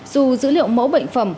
dù dữ liệu mẫu bệnh phẩm